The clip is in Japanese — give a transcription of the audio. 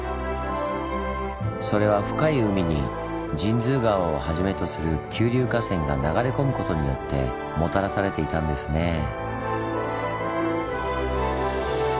それは深い海に神通川をはじめとする急流河川が流れ込むことによってもたらされていたんですねぇ。